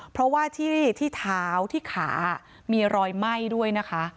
เพราะว่าที่เท้าที่ขามีรอยไหม้ด้วยนะคะ